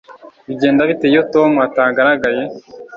Bigenda bite iyo Tom atagaragaye